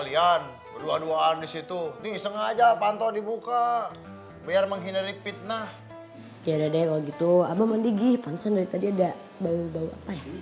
ya udah deh kalau gitu abang mandi gipang senet tadi ada baru bawa